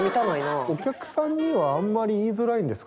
お客さんにはあんまり言いづらいんですか？